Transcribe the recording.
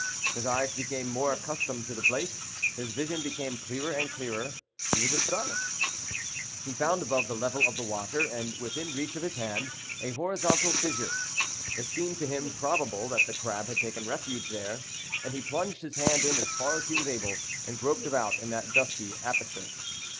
His eyes became more accustomed to the place. His vision became clearer and clearer. He was astonished. He found, above the level of the water, and within reach of his hand, a horizontal fissure. It seemed to him probable that the crab had taken refuge there, and he plunged his hand in as far as he was able, and groped about in that dusky aperture.